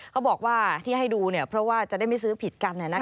เขาบอกว่าที่ให้ดูเพราะว่าจะได้ไม่ซื้อผิดกัน